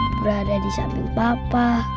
berada di samping papa